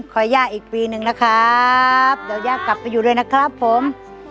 อย่าอีกปีหนึ่งนะครับเดี๋ยวย่ากลับไปอยู่ด้วยนะครับผม